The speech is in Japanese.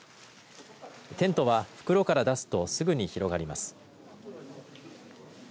テントは袋から出すとすぐに広がります。